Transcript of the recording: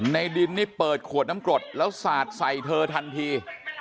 ในดินนี่เปิดขวดน้ำกรดแล้วสาดใส่เธอทันที